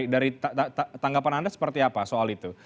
dari tanggapan anda seperti apa soal itu